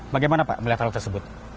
bagaimana pak melihat hal tersebut